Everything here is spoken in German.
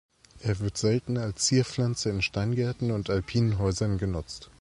Er wird selten als Zierpflanze in Steingärten und alpinen Häusern genutzt.